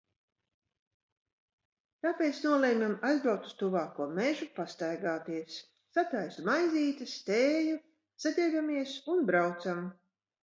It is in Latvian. Tāpēc nolemjam aizbraukt uz tuvāko mežu, pastaigāties. Sataisu maizītes, tēju, saģērbjamies un braucam.